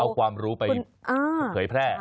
เอาความรู้ไปเผยแพร่